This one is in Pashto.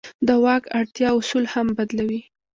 د واک اړتیا اصول هم بدلوي.